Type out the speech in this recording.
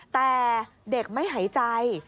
แต่เด็กไม่หายใจ